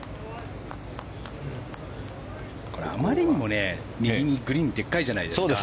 あまりにもグリーンがでかいじゃないですか。